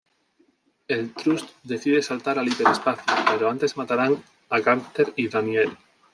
El Trust decide saltar al hiperespacio, pero antes mataran a Carter y Daniel.